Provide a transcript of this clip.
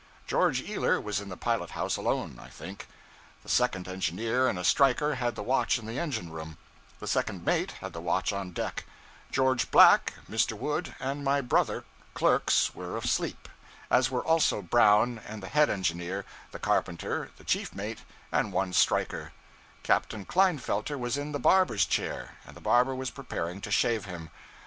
George Ealer was in the pilot house alone, I think; the second engineer and a striker had the watch in the engine room; the second mate had the watch on deck; George Black, Mr. Wood, and my brother, clerks, were asleep, as were also Brown and the head engineer, the carpenter, the chief mate, and one striker; Captain Klinefelter was in the barber's chair, and the barber was preparing to shave him.